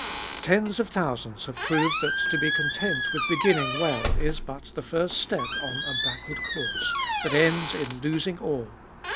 Tens of thousands have proved that to be content with begin ning well is but the first step on a backward course, that ends in losing all.